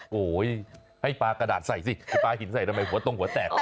โอ้โหให้ปลากระดาษใส่สิไปปลาหินใส่ทำไมหัวตรงหัวแตก